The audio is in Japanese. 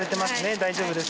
大丈夫です。